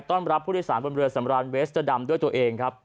ต้อนรับผู้โดยศาลบนเรือสำราญเวสเตอร์ดัมด้วยตัวเอง